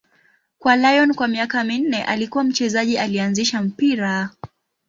Kwa Lyon kwa miaka minne, alikuwa mchezaji aliyeanzisha mpira.